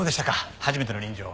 初めての臨場は。